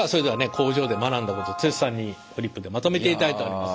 工場で学んだこと剛さんにフリップでまとめていただいております。